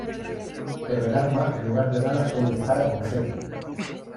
Pero el arma en lugar de balas sólo dispara confeti.